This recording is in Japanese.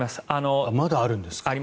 まだあるんですか。